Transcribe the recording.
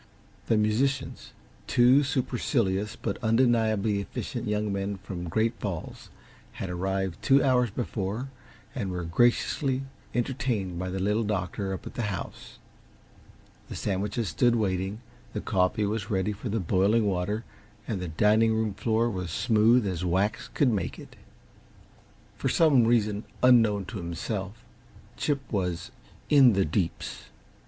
The musicians, two supercilious but undeniably efficient young men from Great Falls, had arrived two hours before and were being graciously entertained by the Little Doctor up at the house. The sandwiches stood waiting, the coffee was ready for the boiling water, and the dining room floor was smooth as wax could make it. For some reason unknown to himself, Chip was "in the deeps."